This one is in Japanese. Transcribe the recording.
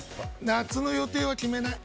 夏の予定は決めない？